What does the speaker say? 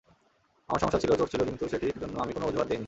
আমার সমস্যা ছিল, চোট ছিল, কিন্তু সেটির জন্য আমি কোনো অজুহাত দিইনি।